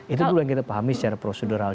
itu dulu yang kita pahami secara prosedural